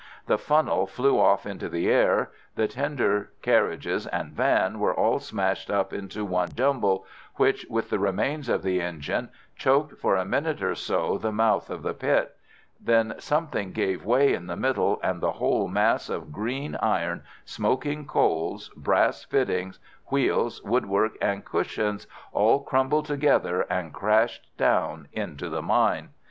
The funnel flew off into the air. The tender, carriages, and van were all smashed up into one jumble, which, with the remains of the engine, choked for a minute or so the mouth of the pit. Then something gave way in the middle, and the whole mass of green iron, smoking coals, brass fittings, wheels, woodwork, and cushions all crumbled together and crashed down into the mine.